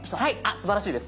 すばらしいです。